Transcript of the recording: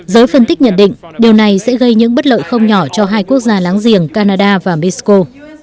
giới phân tích nhận định điều này sẽ gây những bất lợi không nhỏ cho hai quốc gia láng giềng canada và mexico